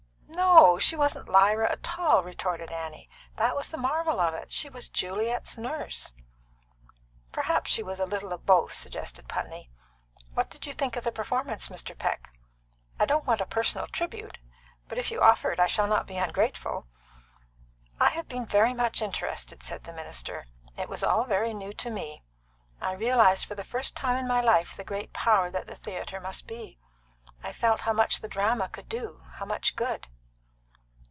"No; she wasn't Lyra at all!" retorted Annie. "That was the marvel of it. She was Juliet's nurse." "Perhaps she was a little of both," suggested Putney. "What did you think of the performance, Mr. Peck? I don't want a personal tribute, but if you offer it, I shall not be ungrateful." "I have been very much interested," said the minister. "It was all very new to me. I realised for the first time in my life the great power that the theatre must be. I felt how much the drama could do how much good."